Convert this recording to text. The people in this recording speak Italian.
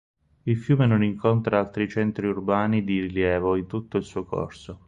Il fiume non incontra altri centri urbani di rilievo in tutto il suo corso.